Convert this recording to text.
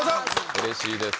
うれしいです。